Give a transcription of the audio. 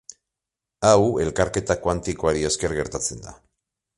Hau elkarketa kuantikoari esker gertatzen da.